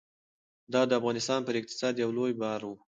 دا د افغانستان پر اقتصاد یو لوی بار و.